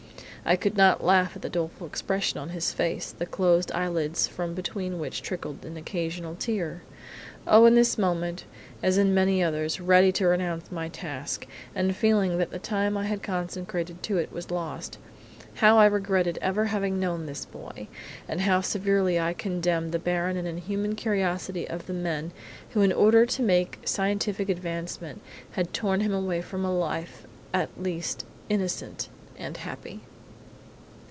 I could not laugh at the doleful expression of his face, the closed eyelids from between which trickled an occasional tear! Oh, in this moment, as in many others, ready to renounce my task, and feeling that the time I had consecrated to it was lost, how I regretted ever having known this boy, and how severely I condemned the barren and inhuman curiosity of the men who in order to make scientific advancement had torn him away from a life, at least innocent and happy!"